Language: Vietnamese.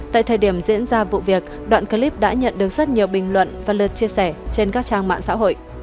tại thời điểm diễn ra vụ việc đoạn clip đã nhận được rất nhiều bình luận và lượt chia sẻ trên các trang mạng xã hội